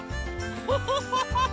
フフフフ。